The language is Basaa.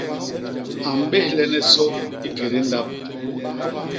A mbéhlene sô i kédé ndap.